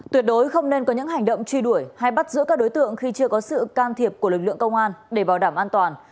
tuyệt đối không nên có những hành động truy đuổi hay bắt giữ các đối tượng khi chưa có sự can thiệp của lực lượng công an để bảo đảm an toàn